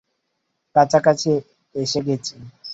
কাছাকাছি এসে গেছি।